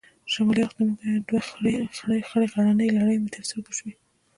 شمالي اړخ ته مې وکتل، دوې خړې غرنۍ لړۍ مې تر سترګو شوې.